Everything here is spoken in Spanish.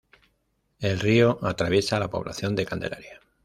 El río atraviesa la población de Candelaria.